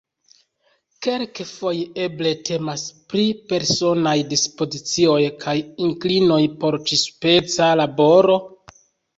Kelkfoje eble temas pri personaj dispozicioj kaj inklinoj por ĉi-speca laboro?